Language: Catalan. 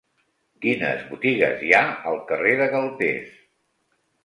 Quines botigues hi ha al carrer de Galtés?